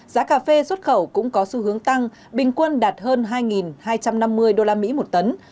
giá cà phê xuất khẩu cũng có xu hướng tăng bình quân đạt hơn hai hai trăm năm mươi đô la mỹ một tấn